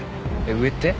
上って？